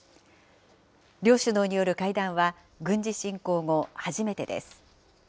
両首脳による会談は、軍事侵攻後、初めてです。